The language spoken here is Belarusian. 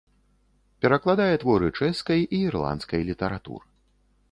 Перакладае творы чэшскай і ірландскай літаратур.